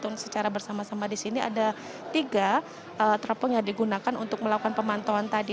namun secara bersama sama di sini ada tiga teropong yang digunakan untuk melakukan pemantauan tadi